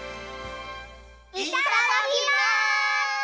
いただきます！